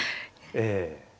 ええ。